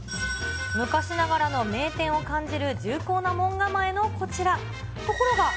昔ながらの名店を感じる重厚な門構えのこちら。